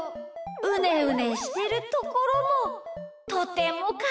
うねうねしてるところもとてもかわいいです。